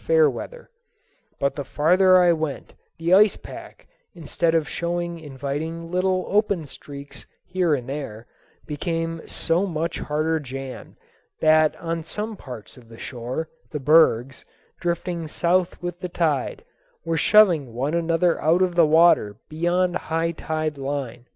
Fairweather. But the farther I went, the ice pack, instead of showing inviting little open streaks here and there, became so much harder jammed that on some parts of the shore the bergs, drifting south with the tide, were shoving one another out of the water beyond high tide line.